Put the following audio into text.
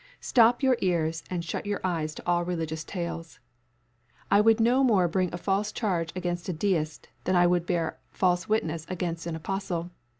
Stop your ears and shut your eyes to all religious tales ... I would no more bring a false charge against a deist than I would bear false witness against an apostle.